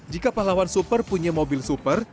jika pahlawan super punya mobil super